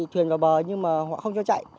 thuyền vào bờ nhưng mà họ không cho chạy